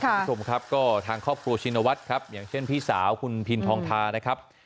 คุณผู้ชมครับก็ทางครอบครัวชินวัฒน์ครับอย่างเช่นพี่สาวคุณพินทองทานะครับ